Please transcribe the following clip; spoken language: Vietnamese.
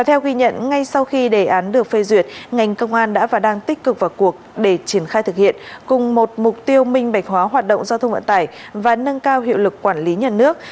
theo ghi nhận ngay sau khi đề án được phê duyệt ngành công an đã và đang tích cực vào cuộc để triển khai thực hiện cùng một mục tiêu minh bạch hóa hoạt động giao thông vận tải và nâng cao hiệu lực quản lý nhà nước